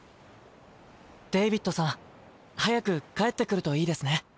デイビッドさん早く帰って来るといいですね。